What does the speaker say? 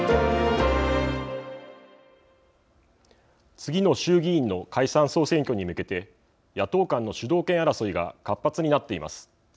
次の衆議院の解散・総選挙に向けて野党間の主導権争いが活発になっています。